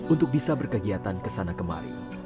untuk bisa berkegiatan kesana kemari